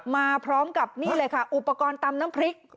มาพร้อมกับนี่เลยค่ะอุปกรณ์ตำน้ำพริก